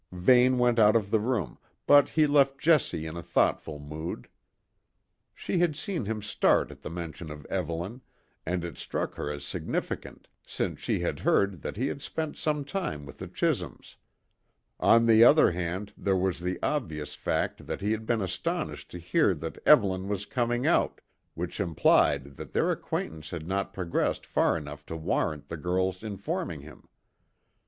Vane went out of the room, but he left Jessie in a thoughtful mood. She had seen him start at the mention of Evelyn, and it struck her as significant, since she had heard that he had spent some time with the Chisholms; On the other hand there was the obvious fact that he had been astonished to hear that Evelyn was coming out, which implied that their acquaintance had not progressed far enough to warrant the girl's informing him.